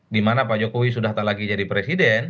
dimana pak jokowi sudah tak lagi jadi presiden